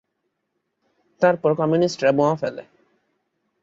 তারপর কমিউনিস্টরা বোমা ফেলে।